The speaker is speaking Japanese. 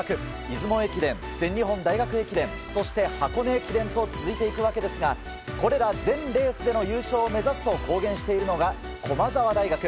出雲駅伝、全日本大学駅伝そして箱根駅伝と続いていくわけですが、これら全レースでの優勝を目指すと公言しているのが駒澤大学。